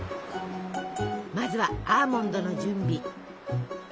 まずはアーモンドの準備。